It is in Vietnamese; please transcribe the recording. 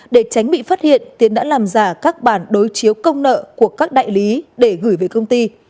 để tránh bị phát hiện tiến đã làm giả các bản đối chiếu công nợ của các đại lý để gửi về công ty